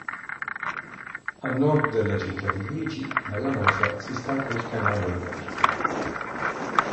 A Nord della città di Liegi, dalla Mosa si stacca il canale Alberto.